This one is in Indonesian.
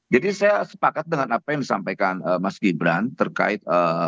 jadi saya sepakat dengan apa yang disampaikan mas gibran terkait